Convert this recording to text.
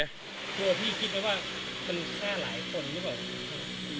เพราะพี่คิดว่ามันค่าหลายคนหรือเปล่า